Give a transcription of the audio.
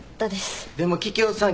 でも桔梗さん